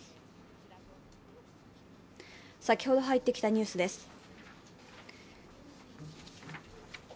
先ほど入ってきたニュースです。